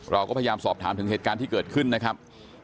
เราก็พยายามสอบถามถึงเหตุการณ์ที่เกิดขึ้นนะครับ